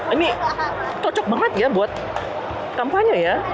ini cocok banget ya buat kampanye ya